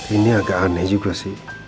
ini agak aneh juga sih